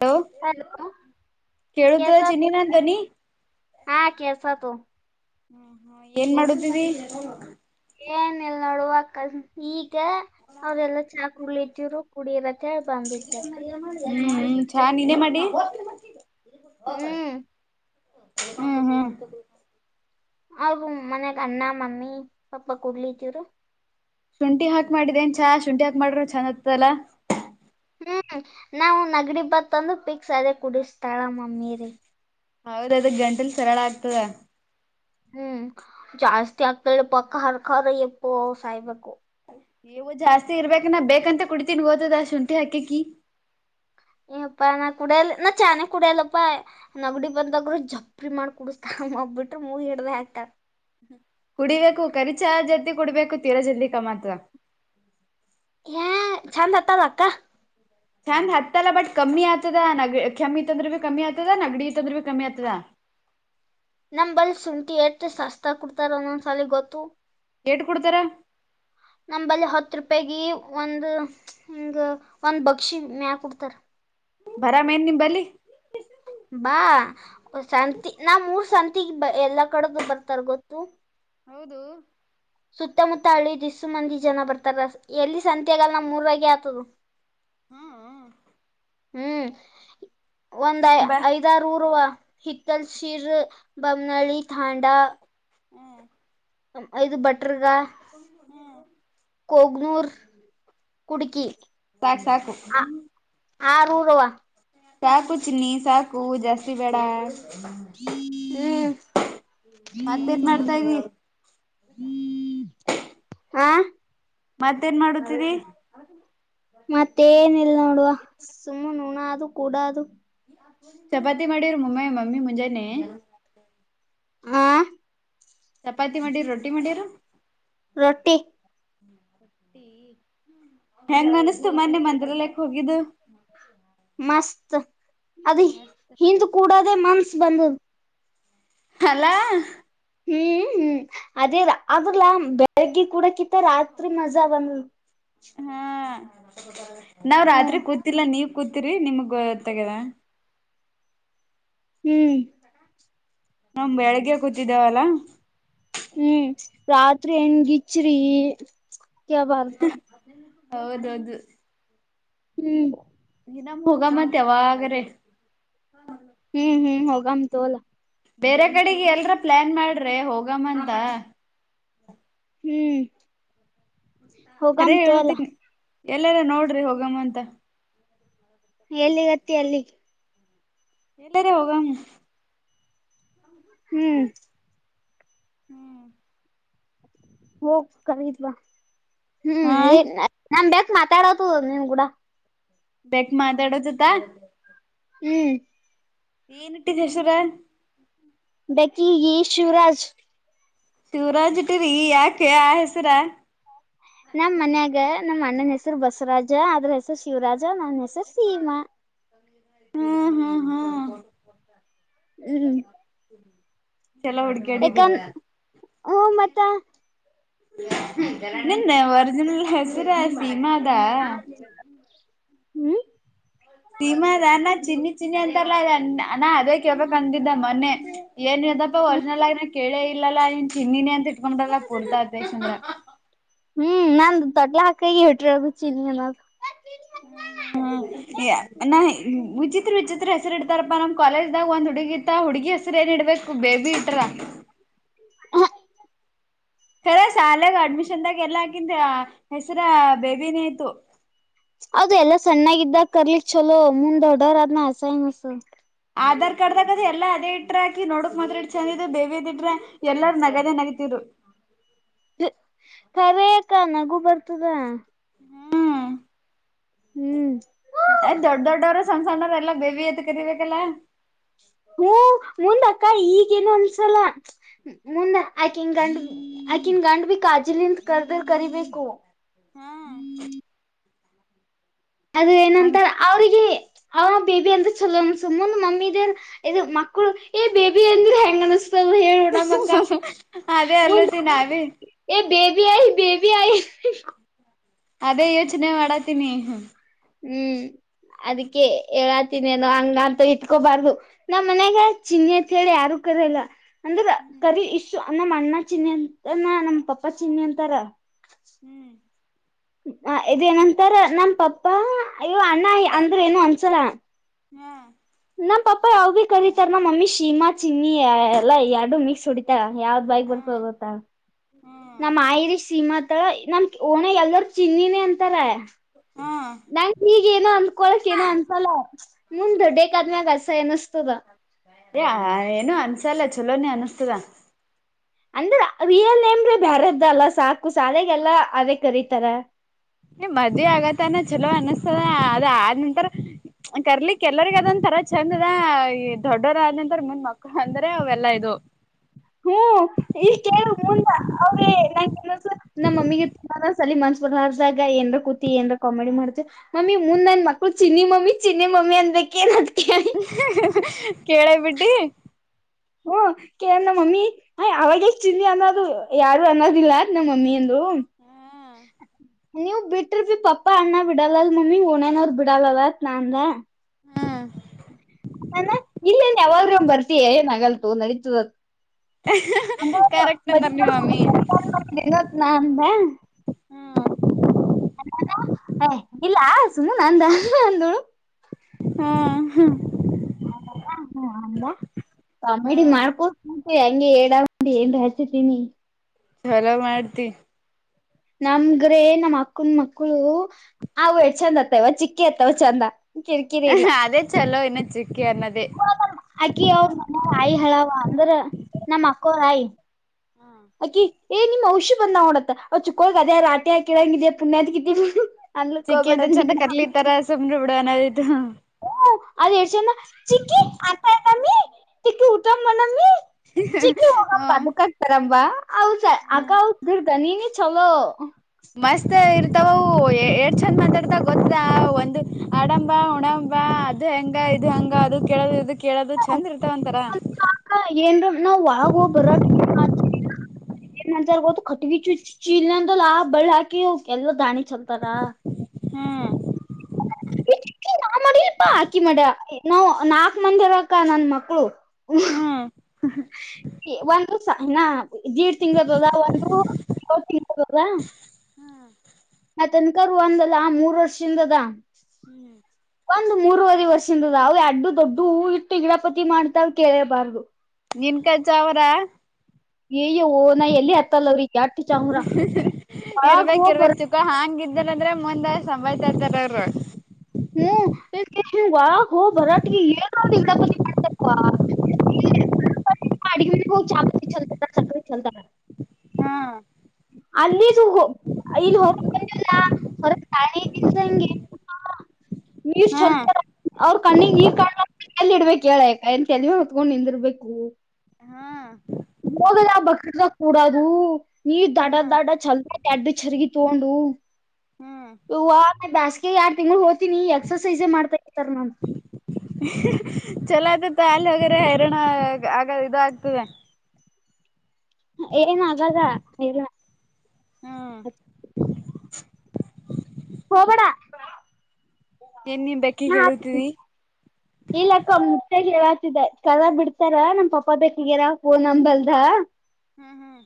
Hello ಎಡುಕ್ಕ ಕೇಳುದ ಕೆಸ ಚಿನ್ನಿ ನನ್ ಧ್ವನಿ ಹಾ ಕೆಸೋ ತು ಹ್ಮ್ ಹ್ಮ ಏನ್ ಮಾಡುದಿ ಏನ್ ಇಲ್ ನೋಡುವ ಕ ಈಗ ಮತ್ತೆ ಅವ್ರೆಲ್ಲಾ ಚಾಕ್ಳತಿವ್ರು ಕುಡಿಯರಂತ ಹೇಳಳ್ ಬಂದಿದಕ್ಕ ಹ್ಮ್ ಚಾ ನೀನೇ ಮಾಡಿ ಹ್ಮ್ ಹ್ಮ್ ಹ್ಮ ಅವಗ ಮನ್ಯಾಗ ಅಣ್ಣ ಮಮ್ಮಿ ಪಾಪ ಕುೂಡ್ಲಿತಿವ್ರು ಶುಂಠಿ ಹಾಕ್ ಮಾಡಿದೇನ್ ಚಾ ಶುಂಠಿ ಹಾಕ್ ಮಾಡ್ರ ಚಂದ ಆತಲ್ಲ ಹ್ಮ್ ನಾವವು ನಗಡಿ ಬತ್ತ ಅಂದು ಪಿಕ್ಸ್ ಅದೇ ಕುಡಿಸ್ತಾಳ ಮಮ್ಮೀರಿ ಹೌದ ಅದ ಗಂಟಲಿ ಸರಳ ಆಗ್ತದ ಹ್ಮ್ ಜಾಸ್ತಿ ಆಗ್ತಳಿ ಪಕ್ಕ ಹರ್ಖರ್ ಎಪ್ಪು ಸಾಯಬೇಕು ನೀವು ಜಾಸ್ತಿ ಇರ್ಬೇಕ ನ ಬೇಕಂತ ಕುಡಿತೀನ್ ಓದದ ಶುಂಠಿ ಹಾಕಕ್ಕಿ ಏಪ್ಪಾ ನಾ ಕುಡಿಯಲ್ ನಾ ಚಾನೆ ಕುಡಿಯಲ್ಲಪ್ಪಾ ನಗಡಿ ಬಂದಾಗರು ಜಬ್ರಿ ಮಾಡ್ ಕುಡ ಹಬ್ಬಿಟ್ಟು ಮೂವಿ ಇಡ್ದ ಆಕ್ಟ ಕುಡಿಬೇಕು ಕಖರಿಚಾ ಜಲ್ತಿ ಕುಡ್ಬೇಕು ತೀರಾ ಜದಿಕ ಮಾಾತ್ರ ಹ ಚಂದ್ ಹತ್ತದ ಅಕ್ಕ ಚಂದ್ ಹತ್ತಲ್ಲ ಬಟ್ ಕಮ್ಮಿ ಆಗ್ತದ ನ ಕಮ್ಮಿ ಅಂದ್ರರು ಭಿ ಕಮ್ಮಿ ಆಗ್ತದ ನಗಡಿ ಅಂದ್ರರು ಭಿ ಕಮ್ಮಿ ಆಗ್ತದ ನಮ ಬಲ್ ಶುಂಠಿ ಎತ್ ಸಸ್ತ ಕುಡ್ತಾರ ಅಂದೊಂದ್ಸಲ ಗೊತ್ತು ಹೆಸ್ಟ್ ಕೊಡ್ತಾರ ನಂಬಲ್ಲಿ ಹತ್ತು ರೂಪಾಯಿ ಗೆ ಒಂದ ಹಿಂಗ ಒಂದ್ ಬಕ್ಷಿ ಮ್ಯಾ ಕುಡ್ತಾರ ಬರ ಮೇನ್ ನಿಂಬಲ್ಲಿ ಬಾ ಸಂತಿ ನಾ ಮೂರ್ ಸಂತಗ್ ಎಲ್ಲಾ ಕಡದು ಬರ್ತಾರ ಗೊತ್ತು ಹೌದು ಸುತ್ತಮುತ್ತ ಹಳ್ಳಿದ ದ ಇಸು ಮಂದಿ ಜನ ಬರ್ತಾರ ಎಲ್ಲಿ ಸಂತೆಗ ನ ಮೂರವಗೆ ಆತದ ಹ್ಮ ಹ ಹ್ಮ್ ಒಂದ್ಐ ಬ ಐದಾರ ಊರ್ ಹಿತಲ್ ಶಿರ ಬಮನಳ ಥಾಂಡಾ ಹ್ಮ್ ಐದು ಬಟ್ರಗಾ ಕಗ್ನೂರ್ ಕುಡುಕಿ ಹ ಆ ರೂರುರುವ ಸಾಕು ಚಿನ್ನಿ ಸಾಕು ಜಾಸ್ತಿ ಬೇಡ ಹ ಹ ಮತ್ತೇನ್ ಮಾಡ್ತಾ ಇದಿ ಹ ಹ್ಮ ಹ ಜಿ ಮತ್ತೇನ ಇಲ್ ನೋಡುವ ಸುಮ್ಮ ನುಣ ಅದು ಕೂಡ ಅದು ಚಪಾತಿ ಮಾಡಿವ್ರರು ಮುಮ್ಮ ಮಮ್ಮಿ ಮುಂಜಾನೆ ಹ ಚಪಾತಿ ಮಾಡೀರಿ ರೊಟ್ಟಿ ಮಾಡಿರ ರೊಟ್ಟಿ ಹೆಂಗ ಅನಸ್ತು ಮೊನ್ನೆ ಮಂತ್ರಾಲಯಕ್ ಹೋಗಿದ್ದು ಮಸ್ತ್ ಅದ ಹಿಂದ್ ಕೂಡದೇ ಮನ್ಸ ಬಂದ ಅಲ ಹ್ಮ್ ಹ್ಮ್ ಅದೇ ಅಲ್ಲ ಅದ್ರಲ್ಲ ಬೆಳಗ್ಗೆ ಕೂಡ ಕತ್ತ ರತ್ರಿ ಮಜಾ ಬನ್ನ ಹಾ ನಾವ್ ಹ್ಮ್ ರಾತ್ರಿ ಕೂತಿಲ್ಲ ನೀವ ಕೂತಿರಿ ನಿಮಗ ತಗ್ಯದ ಹ್ಮ್ ನಮ್ ಬೆಳಗ್ಗೆ ಕೂತಿದ್ದಾವಲ್ಲ ಹ್ಮ್ ರಾತ್ರಿ ಹೆಂಗ್ ಗಿಚ್ಚ್ರಿ ಕಬಾರ ಹೌದೌದು ಹ್ಮ್ ದಿನಮ ಹೋಗ ಮತ್ತವಾಗ್ರೆ ಹ್ಮ್ ಹ್ಮ್ ಹೋಗಾಮಂತು ಅಲಾ ಬೇರೆ ಕಡೆಗೆ ಎಲ್ರ ಪ್ಲಾನ್ ಮಾಡ್ರೆ ಹೋಗಮ್ಮ ಅಂತ ಹ್ಮ್ ಖರೆ ಹೋಗಾಮಂತು ಅಲ್ಲ ಹೇಳುದೀನಿ ಎಲ್ಲಾರ ನೋಡ್ರಿ ಹೋಗಮ್ಮ ಅಂತ ಎಲ್ಲಿಗತ್ತ ಅಲ್ಲಿಗೆ ಎಲ್ಲಾರ ಹೋಗಾಮ ಹ್ಮ್ ಹ್ಮ್ ಹೋಗೋಗ್ ಕತ್ವಾ ಹಾ ಹ್ಮ್ ಏನ್ ನಮ್ ಬೇಕ ಮಾತಾಡೋದು ನೀವ್ ಕೂಡ ಬೇಕ ಮಾತಾಡೋ ಜತ ಹ್ಮ್ ಏನ ಇಟ್ಟಿದ್ದ ಯಸರ ಬಕಿಗಿ ಶಿವರಾಜ್ ಶಿವರ್ ಇಟಿರಿೀ ಯಾಕೆ ಹೆಸರ ನಮ್ಮ್ ಮನ್ಯಾಗ ನಮ್ಮ ಅಣ್ಣನ ಹೆಸರು ಬಸವರಾಜ ಅದ್ರ ಹೆಸರು ಶಿವರಾಜ ನನ್ನ ಹೆಸರು ಸೀಮಾ ಹ್ಮ್ ಹ್ಮ ಹಾ ಹ್ಮ್ ಚಲೋ ಯಾಕಂದ ಹುಡ್ಕ್ಯಾಡಿದ್ದೀರಾ ಹ ಮತ್ತ ನನ್ನದ ವರ್ಜಿನಲ್ ಹೆಸರ್ ಅ ಸೀಮದಾ ಹ್ಮ್ ಸೀಮಾದ ಅದಾನ ಚಿನ್ನಿ ಚಿನ್ನಿ ಅಂತಲ್ಲ ಅಣ್ಣ ಅದ ಕೇಳ್ಬೇಕ್ ಅಂತಿದ್ದ ಮೊನ್ನೆ ಏನ್ ಯದಪ್ಪಾ ವರ್ಜನಲ್ ಆಗ ಕೇಳೇ ಇಲ್ಲಾ ಇವನ್ ಚಿನ್ನಿನೆ ಅಂತ ನಮ್ಮದೇಲ್ಲ ಪುರ್ತಾ ಅತ್ಯಿಂದ ದೊಡ್ಲ ಹಾಕಾಗಿ ಹೊಟ್ರಗು ಚಿನ್ನಿ ಮಾಗ ಹ್ಮ ನಾ ವಿಚಿತ್ರ ವಿಚಿತ್ರ ಹೆಸರು ಇಡ್ತಾರಪ್ಪ ನಮ್ ಕಾಲೇಜ್ದಾಗ ಒಂದ್ ಹುಡುಗಿ ಇತ್ತ ಹುಡುಗಿ ಹೆ ಸರ್ ಗ ಇಡ್ಬೇಕು ಬೇಬಿ ಇಟ್ರ ಹ ಕರೆ ಸಾಲೆಗ ಅಡ್ಮಿಷನ್ದಾಗ ಎಲ್ಲ ಆಕಿಂದ ಹೆಸರು ಬೇಬಿನೇ ಇತ್ತು ಹೌದು ಎಲ್ಲಾ ಸಣ್ಣಾಗಿದ್ದಾಗ ಕರ್ಲಿಕ್ ಚಲೋ ಮುಂದ್ ದೊಡ್ಡವರು ಆದ್ ಮೇಲೆ ಆಸಮಸ ಆಧಾರ್ ಕಾರ್ಡ್ ದಾಗದ ಎಲ್ಲಾ ಅದೇ ಇಟ್ರಾ ಆಕಿ ನೋಡಕ್ ಮತ್ರಾ ಎಷ್ಟ್ ಚಂದಿದ್ ಬೇಬಿ ದ್ ಇಟ್ರ ಎಲ್ಲಾರ ನಗದೇ ನಗಿತಿದ್ರು ಕರೆಕ್ಕ ನಗು ಬರ್ತದಾ ಹ್ಮ್ ದೊಡ್ ದೊಡ್ಡವರು ಸಣ್ಣ ಸಣ್ಣವ್ರ ಎಲ್ಲಾ ಬೇವಬಿ ಅಂತ ಕರಿಬೇಕಲ್ಲ ಹ್ಮ ಮುಂದ ಕ ಈಗೇನು ಅನ್ಸಲ ಮುಂದೆ ಆಕಿನ್ ಗಂಡ್ ಆಕಿನ್ ಗಂಡ್ ಬಿ ಕಾಜಲಿನ್ ಕರ್ದರ್ ಕರಿಬೇಕು ಹ್ಮ ಅದು ಏನಂತಾ ಅವ್ರಿಗೆ ಅವ ಬೇಬಿ ಅಂದ್ರೆ ಚಲೋ ಅನ್ಸತ್ತದ್ ಮುಂದ್ ಮಮ್ಮಿ ದ ಇದು ಮಕ್ಕಳು ಏ ಬೇಬಿ ಅಂದ್ರೆ ಹೆಂಗ ಅನಸ್ತದ ಹೇಳ ಉಣಮ್ಮಕ್ಕ ಅದೇ ಅಲಿ ನಾವೆ ಐ ಬೇಬಿ ಆಯೆ ಅದೇ ಯೋಚನೆ ಮಾಡತೀನಿ ಹ್ಮ್ ಅದಕ್ಕೆ ಹೇಳಾತೀನಿ ನೋ ಹಂಗ ಅಂತ ಇಟ್ಕೋಬಾರ್ದು ನಮ್ಮ್ ಮನ್ಯಾಗ ಚಿನ್ನಿ ಅಂತ ಹೇಳಿ ಯಾರು ಕರಿಯಲ್ಲ ಅಂದ್ರೆ ಕರಿ ಇಷ್ ನಮ್ಮ್ ಅಣ್ಣ ಚಿನ್ನಿ ಅಂತನ ನಮ್ ಪಪ್ಪಾ ಚಿನ್ನಿ ಅಂತಾರ ಇದೇ ನಂತರ ನಮ್ ಪಪ್ಪ ಅಯ್ಯೋ ಅಣ್ಣ ಅಂದ್ರೆ ಏನು ಅನ್ಸಲ್ಲ ಹ್ಮ ನಮ್ ಪಾಪ ಯಾವ್ ಭಿ ಕರೀತಾರ ನಮ್ಮ್ ಮಮ್ಮಿ ಶೀಮಾ ಚಿನ್ನಿ ಎಲ್ಲಾ ಎರಡು ಮಿಕ್ಸ್ ಹೊಡಿತರೆ ಯಾವ್ದ್ ಬೈಕ್ ಹ್ಮ್ ಬರ್ತ್ತದ್ ಗೊತ್ತ ಹ್ಮ್ ನಮ್ ಆಯಿರಿ ಸೀಮಾತ ನಮ್ ಓಣೆಗ ಎಲ್ಲಾರ್ ಚಿನ್ನಿನೇ ಅಂತಾರ ಹ್ಮ್ ನನ್ನು ಇಗೆ ಏನೋ ಅನ್ಕೊಳಕ್ ಏನು ಅನ್ಸಲ್ಲ ಮುಂದ್ ದೊಡ್ಡಾಕ್ ಆದ್ಮ್ಯಾಗ ಅಸಯ ಅನ್ಸತ್ತದ [unintelligible] ಅದೇ ಏನು ಅನ್ಸಲ್ಲ ಚಲೋನೇ ಅನ್ಸತ್ತದ ಅಂದ್ರೆ ರಿಯಲ್ ನೇಮ್ ಬ್ಯಾರದ್ದ ಅಲ್ಲ ಸಾಕು ಸಾಲಗೆಲ್ಲ ಅದೇ ಕರಿತಾರ ನಿಮ್ ಮದ್ವಿ ಆಗತ್ತಾನ ಚಲೋ ಅನಸ್ತದ ಅದ ಆದ್ ನಂತರ ಕರ್ಲಿಕ್ ಎಲ್ಲರಿಗ್ ಅದಂತ ರ ಚಂದದ ಈ ದೊಡ್ಡೊರ ಆದಂತರ ಮುಂದ್ ಮಕ್ಳ ಅಂದ್ರೆ ಅವೆಲ್ಲಾ ಇದು ಹ್ಮ ಈಕೆ ಕೇಳು ಮುಂದ್ ಅವ್ರೇ ನಸ ನಮ್ಮ ಮಮ್ಮಿಗೆ ತುಂಬಾ ಸಲಿ ಮನ್ಸ್ ಲಾಗ ಏನ್ ಕೂತಿ ಏನ್ರ ಕಾಮಿಡಿ ಮಾಡ್ತಿವಿ ಮಮ್ಮಿ ಮುಂದ್ ನನ್ ಮಕ್ಳು ಚಿನ್ನಿ ಮಮ್ಮಿ ಚಿನ್ನಿ ಮಮ್ಮಿ ಅಂದ್ರೆ [unintelligible] ಹೆ ಹೆ ಕೇಳೇ ಬಿಟ್ಟಿ ಹ್ಮ ಕೇಳ ನಾನ್ ಮಮ್ಮಿ ಅವಗೆ ಚಿನ್ನಿ ಅನ್ನೋದು ಯಾರು ಅನ್ನೋದಿಲ್ಲ ನಮ್ಮ ಮಮ್ಮಿ ಅಂದ್ ಹೂ ನೀವು ಬಿಟ್ರ ಪಪ್ಪಾ ಅಣ್ಣ ಬಿಡಲ್ಲಲ್ ಮಮ್ಮಿ ಹನನರ್ ಬಿಡಲ್ಲಲ್ಲ ಒಂದ್ ನಾನಾ ಹಾ ನಾನ ಇಲ್ಲೇನ್ ಯಾವಾಗೂ ಬರ್ತೀಯಾ ಏನ್ ಆಗಲ್ತು ನಡೀತು ಕರೆಕ್ಟ್ ಅಂದಾರ ನಿಮ್ ಮಮ್ಮಿ [unintelligible] ಇಲ್ಲ ಸುಮ್ಮನ ನಂದ ಅಂದು ಹ್ಮ್ ಹಾ ಹ ಅಂದ ಕಾಮಿಡಿ ಹ್ಮ್ ಮಾಡ್ಕೋತ ಹಂಗೆ [unintelligible] ಏನರ ಹಚ್ಚತೀನಿ. ಚಲೋ ಮಾಡ್ತಿ. ನಮಗ್ರೆ ನಮ್ ಅಕ್ಕನ್ ಮಕ್ಳು ಅವು ಎಸ್ಟ್ ಚಂದ ಆತ್ತಾವ ಚಿಕ್ಕಿ ಅತ್ತಾವ ಚಂದ ಹ ಅದೇ ಚಲೋ ಇನ್ನ [inaudible] ಅಕ್ಕಿ ಅವ್ರ ಮನೆಯ ಆಯಿ ಹೇಳವಾ ಅಂದ್ರ ನಮ್ಮ್ ಅಕ್ಕೋರ ಆಯಿ ಅಕಿ ಏ ನಿಮ್ಮ ಔಷದ - ಬಂದಾವ ನೋಡ ಅಂತ ಅವ ಚುಕ್ಕೋಳಗ ಅದ ರಾಟಿ ಕಿಳಂಗಿದ ಪುಣ್ಯಾತ್ಗಿತ್ತಿ- ಚಿಕ್ಕಿ ಅಂತ ಚಂದ ಕರ್ಲಿತಾರ ಸುಮ್ರ ಬಿಡ ಅನ್ನೋದ ಇತ್ತು. ಅದ ಎಸ್ಟ ಚಂದ ಚಿಕ್ಕಿ ಆಟ ಆತ್ ಅಮ್ಮೀ ಚಿಕ್ಕಿ ಊಟ ಮಾಡೋನಮ್ಮಿ. ಚಿಕ್ಕಿ ಹೋಗಪ್ಪ ಹ್ಮ ಅದಕ್ಕಾಗ್ತದ. ಬಾ ಅವ ಅಕ್ಕ ಅವ್ರ ಧ್ವನಿನೇ ಚಲೋ ಮಸ್ತ್ ಇರ್ತಾವವು ಎಸ್ಟ್ ಚಂದ ಮಾತಾಡ್ತವ ಗೊತ್ತಾ ಒಂದು ಆಡಂಬ ಬಾ ಉನ್ನೋಣ ಬಾ ಅದ ಹೆಂಗ ಇದು ಹಂಗ ಅದು ಕೆೇಳಗ ಇದು ಕೆಳಗ [inaudible] ಏನ್ರ ನಾವ್ ಒಳಗ ಹೋಗಿ ಬರೋಟಿಗೆ ಏನ್ ಮಾಡ್ತಾರ ಗೊತ್ತು ಕಟ್ಟಿಗೆ ಚುಚ್ಚಿ ಚೀಲ್ಂದ ಆ ಬಳ್ಳ ಹಾಕಿ ಎಲ್ಲ ದಾಣಿ ಚಲ್ತಾರ. ಹ್ಮ್ [unintelligible] ನಾ ಮಾಡಲಿಪಾ ಆಕಿ ಮಾಡ್ಯಾಳ ನಾವ್ ನಾಕ್ ಮಂದಿ ಇರ್ವಕ್ಕ ನನ್ ಮಕ್ಳು. ಹ್ಮ್ ಒಂದು ಸಣ್ಣ ಡೀಡ್ ತಿಂಗಳದ ಅದಾವ ಅಂದ್ರು ಒಂದು ತಿಂಗಳದ ಆ ತನ್ಕ ಒಂದಲ್ಲ ಮೂರ್ ವರ್ಷಿಂದ ಅದಾ- ಒಂದ್ ಮೂರುವರೆ ವರ್ಷದಿಂದ ಆದಾವು ಯಾಡು ದೊಡ್ಡ ಹೂ ಇಟ್ಟು ಗಿಡಪತಿ ಮಾಡ್ತಾವ ಕೇಳೇಬಾರ್ದು. ನೀಲಕೆಂಚವರ್ರ ಯ್ಯ ಓ ನಾ ಎಲ್ಲಿ ಹತ್ತಲ್ಲ ಅವ್ರಿಗೆ ಎಟ್ಟ ಚಾಮರ ಒಳಗ್ ಇರ್ಬೇಕ ಹೋಗ್ ಬರ ಇರ್ಬೇಕ ತೊಗೊ ಹಾಂಗ ಇದ್ದಲ್ಲಂದ್ರೆ ಮುಂದ್ ಸಂಬಾಯತ ಇರರ್ತಾರ ಅವರು ಹ್ಮ್ [unintelligible] ಬಾರಟಗಿ ಏನ್ರ ಒಂದ ಕಿತಾಪತಿ ಮಾಡಿರ್ತೀ ಅಲ್ವಾ. [unintelligible] ಅಂತಾ ಹ್ಮ ಅಲ್ಲಿದು ಇಲ್ಲಿ ಹೋಗಬೇಕಲ್ಲ ಹೊರಗ ತಾಳಿ ತಿನ್ಸಾಂಗೆ ನೀರ್ ಚಲ್ತ ಹ್ಮ್ ಅವ್ರ ಕಣ್ಣಿಗ್ ನೀರ್ ಕಣ್ಳಾತಿಲ್ಲ ಇಲ್ಲಿ ಇಡ್ಬೇಕು ಹೇಳ ಅಂತ ಎಲ್ಲಿವ ಹೊತ್ಕೊಂಡ್ ನಿಂದಿರ್ಬೇಕು. ಹ್ಮ್ ಹೋಗದ ಬಕೆಟ್ಡಾಗ್ ಕೂಡದು ನೀರ ದಡ ಹ್ಮ್ ದಡ ಚೆಲ್ಲೋದು ಎರಡು ಚರಗಿ ತಗೊಂಡು ಹ್ಮ್ ಹ್ಮ್ ಯವ್ವ ನೀ ಬ್ಯಾಸ್ಗೆ ಯಾಡ್ ತಿಂಗಳ ಹೋತೀನಿ ಎಕ್ಸಸೈಸೇ ಮಾಡ್ತಾಬೇಕ ಅಂತಾರ ನಂಗ. ಚಲೋ ಆಯ್ತತ್ತು ಅಲ್ಲಿ ಹೋಗರೆ ಹೈರಾಣ ಆಗ ಇದ ಆಗ್ತದ. ಏನ್ ಆಗಲ್ಲ ಹ್ಮ್ ಹೊಬೇಡ ಏನ್ ನೀನ್ ಬೆಕ್ಕಿ ನಾ ಹಾಕ್ತೀನಿ ಹೇಳುತ್ತಿದಿ ಇಲ್ಲ ಅಕ್ಕ ಮುತ್ಯಾಗ ಹೇಳ್ಯಾರ್. [inaudible] ಕೆಳಗ ಬಿಡ್ತಾರ ನಮ್ ಪಪ್ಪ ಬೇಕಿಗೆರ ಪೋನ್ ನಂಬಲ್ದ ಹ್ಮ್ ಹ್ಮ್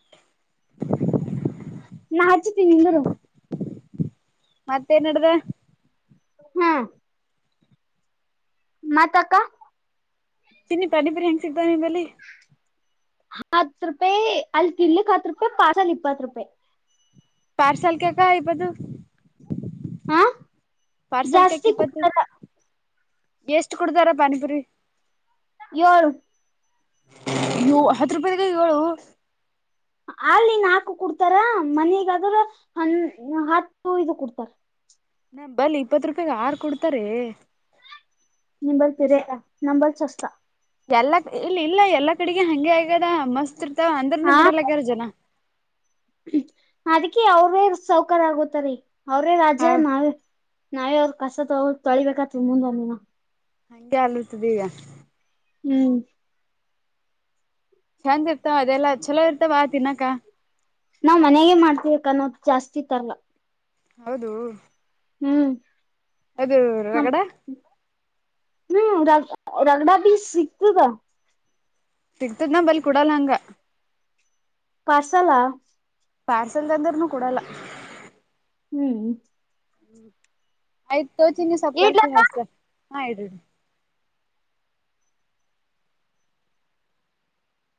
ನಾ ಹಚ್ಚತೀನಿ ನಿಂದರು. ಮತ್ತೇನ್ಡ್ದ - ಹ್ಮ ಮತ್ತ ಅಕ್ಕ ತಿನ್ನಿ ಪಾನಿ ಪುರಿ ಹೆಂಗ ಸಿಗ್ತಾವ ನಿಮ್ಮಲ್ಲಿ - ಹತ್ ರೂಪಾಯಿ ಅಲ್ಲಿ ತಿನ್ಲಿಕ್ ಹತ್ ರೂಪಾಯಿ ಪಾರ್ಸಲ್ ಇಪ್ಪತ್ತು ರೂಪಾಯಿ. ಪಾರ್ಸಲ್ಕ ಯಾಕ ಇಪ್ಪತ್ತು ರೂ ಹಾ ಪಾರ್ಸಲ್ಕ ಯಾಕ ಜಾಸ್ತಿ ಇಪ್ಪತ್ತು? ಕೊಡ್ತಾರ ಎಷ್ಟು ಕೊಡ್ತಾರ ಪಾನಿ ಪುರಿ. [unintelligible] ನೀವು ಹತ್ತು ರೂಪಾಯದ ಕೈ ಅಲ್ಲಿ ನಾಕು ಕುಡ್ತಾರ ಮನಗಾದ್ರ ಹ ಹತ್ತು ಇದು ಕುಡ್ತಾರ ನಾ ಬಲ್ಲಿ ಇಪ್ಪತ್ ರೂಪಾಯಾಗ ಆರು ಕೊಡ್ತಾರೆ [unintelligible] ಎಲ್ಲ ಇಲ್ಲ ಇಲ್ಲ ಎಲ್ಲಾ ಕಡೆಗೆ ಹಂಗೆ ಆಗ್ಯದ ಮಸ್ತ್ ಇರ್ತಾವ ಅಂದ್ರನು ಹಾ ಬಿಡಲ್ಲಗ್ಯಾರ ಜನ ಅದಕ್ಕೆ ಅವ್ರೇ ಸೌಕರ್ಯ ಆಗೋತಾರೀ ಅವ್ರೇ ಹ ರಾಜ ನಾವೇ ನಾವೇ ಅವ್ರ ಕಸ ತ ತೊಳಿಬೇಕತ್ ಮುಂದಂದಿನ ಹಂಗೆ ಅನ್ತದ ಈಗ ಹ್ಮ್ ಚಂದ ಇರ್ತಾವ ಅದೆಲ್ಲ ಚಲೋ ಇರ್ತಾವ ತಿನ್ನಾಕ ನಾವ್ ಮನೆಗೆ ಮಾಡ್ತಿವಿ ಅನ್ನೋದು ಜಾಸ್ತಿ ತರ್ಲ್ಲ ಹೌದು ಹ್ಮ್ ಅದು ನಮ ರಗಡ ಹ್ಮ್ ರ ರಗಡಾ ಬಿ ಸಿಗ್ತು ಗ ಸಿಗ್ತದ ನ ಬಲಿ ಕುಡಲ್ಲ ಹಂಗ ಪಾರ್ಸಲ ಪಾರ್ಸೆಲ್ ತಂದರ್ನು ಕೊಡಲ್ಲ ಹ್ಮ್ ಆಯ್ತು ತೋಚಿನಿ ಸ್ವಲ್ ಕೆಲ್ಸ ಇಡ್ಲಕ್ಕ ಹಸ ಹಾ ಇಡ್ರಿರಿ